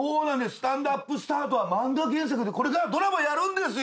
『スタンドＵＰスタート』は漫画原作でこれからドラマやるんですよ。